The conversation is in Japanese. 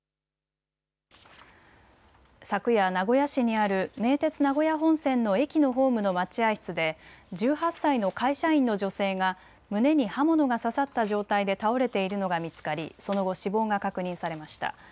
昨夜、名古屋市にある名鉄名古屋本線の駅のホームの待合室で１８歳の会社員の女性が胸に刃物が刺さった状態で倒れているのが見つかりその後、死亡が確認されました。